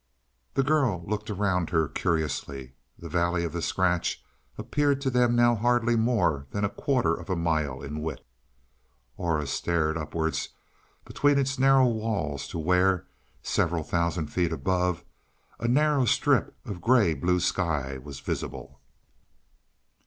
The girl looked around her curiously. The valley of the scratch appeared to them now hardly more than a quarter of a mile in width. Aura stared upwards between its narrow walls to where, several thousand feet above, a narrow strip of gray blue sky was visible.